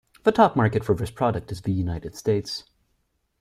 The top market for this product is the United States.